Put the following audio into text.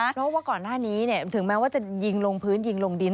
เพราะว่าก่อนหน้านี้ถึงแม้ว่าจะยิงลงพื้นยิงลงดิน